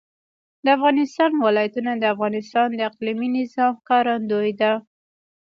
د افغانستان ولايتونه د افغانستان د اقلیمي نظام ښکارندوی ده.